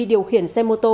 điều khiển xe mô tô